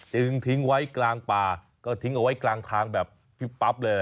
จึงทิ้งไว้กลางป่าก็ทิ้งเอาไว้กลางทางแบบพึบปั๊บเลย